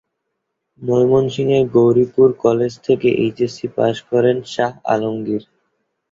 ময়মনসিংহের গৌরীপুর কলেজ থেকে HSC pass করেন করেন শাহ আলমগীর।